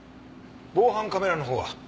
防犯カメラのほうは？